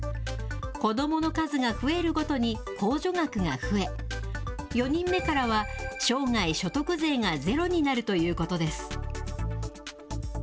子どもの数が増えるごとに控除額が増え、４人目からは、生涯、所得税がゼロになるということです。